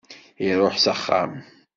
Iruḥ s axxam.